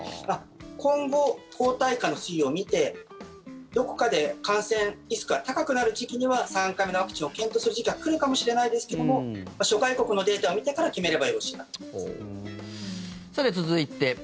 今後、抗体価の推移を見てどこかで感染リスクが高くなる時期には３回目のワクチンを検討する時期が来るかもしれないですけども諸外国のデータを見てから決めればよろしいかと思います。